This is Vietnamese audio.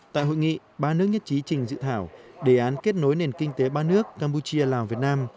tại hội nghị ba nước nhất trí trình dự thảo đề án kết nối nền kinh tế ba nước campuchia lào việt nam